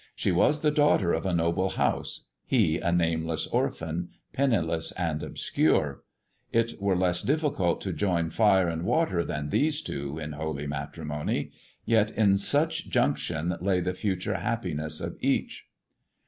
She was the daughter of a noble house, he a nameless orphan, penni less and obscure. It were less difficult to join fire and water than these two in holy matrimony; yet in such junction lay the future happiness of each.